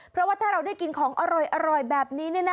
เพราะว่าถ้าเราได้กินของอร่อยแบบนี้